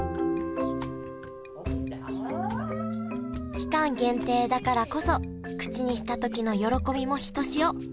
期間限定だからこそ口にした時の喜びもひとしお。